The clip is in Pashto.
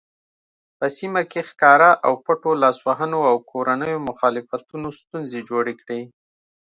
په سیمه کې ښکاره او پټو لاسوهنو او کورنیو مخالفتونو ستونزې جوړې کړې.